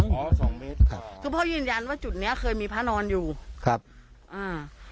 อ๋อสองเมตรครับคือพ่อยืนยันว่าจุดเนี้ยเคยมีพระนอนอยู่ครับอ่า